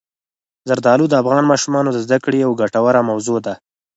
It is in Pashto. زردالو د افغان ماشومانو د زده کړې یوه ګټوره موضوع ده.